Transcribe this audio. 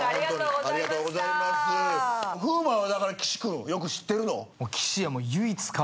風磨は岸君よく知ってるの？